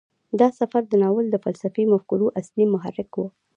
دا سفر د ناول د فلسفي مفکورو اصلي محرک و.